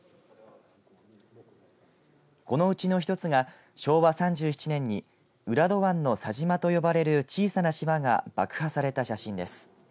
このうちの一つが昭和３７年に浦戸湾の狭島と呼ばれる小さな島が爆破された写真です。